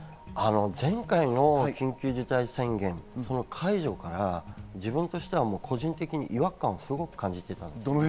前回の緊急事態宣言解除から、自分としては個人的に違和感をすごく感じていました。